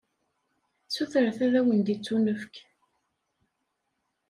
Sutret, ad wen-d-ittunefk.